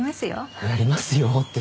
「やりますよ」って